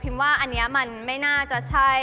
พิมพ์ว่าอันนี้มันไม่น่าจะใช้